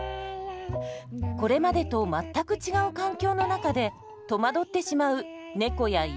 これまでと全く違う環境の中で戸惑ってしまう猫や犬たち。